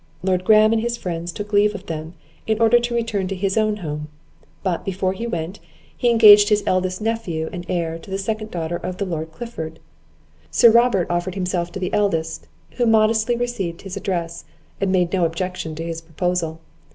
Lord Graham and his friends took leave of them, in order to return to his own home; but, before he went, he engaged his eldest nephew and heir to the second daughter of the Lord Clifford; Sir Robert offered himself to the eldest, who modestly received his address, and made no objection to his proposal.